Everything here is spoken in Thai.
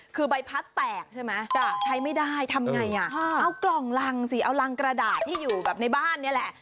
คือใบพัดแตกใช่ไหมใช้ไม่ได้ทำไงอ่ะเอากล่องรังสิเอารังกระดาษที่อยู่แบบในบ้านนี่แหละ